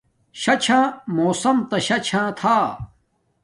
شاہ چھاہ موسم تا شاہ چھاہ تھا